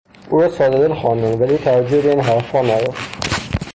او را سادهدل خواندند ولی او توجهی به این حرفها نداشت.